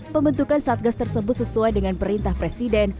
pembentukan satgas tersebut sesuai dengan perintah presiden